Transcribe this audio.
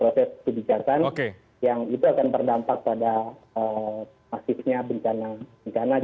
proses kebijakan yang itu akan berdampak pada masifnya bencana